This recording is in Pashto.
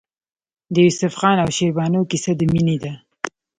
د یوسف خان او شیربانو کیسه د مینې ده.